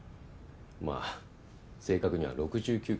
まあ正確には６９件ですが。